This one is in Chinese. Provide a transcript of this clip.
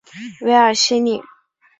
韦尔西尼。